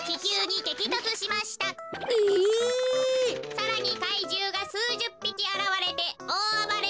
さらにかいじゅうがすうじゅっぴきあらわれておおあばれ。